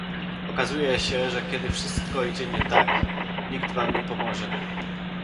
Okazuje się, że kiedy wszystko idzie nie tak, nikt wam nie pomoże